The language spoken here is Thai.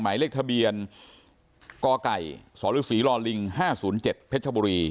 หมายเลขทะเบียนกไก่สรศรี๕๐๗เพชรบุรี